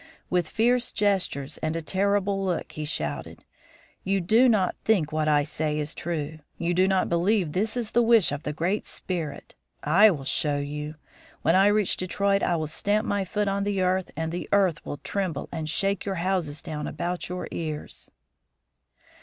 With fierce gestures and a terrible look he shouted: "You do not think what I say is true. You do not believe this is the wish of the Great Spirit. I will show you. When I reach Detroit I will stamp my foot on the earth and the earth will tremble and shake your houses down about your ears."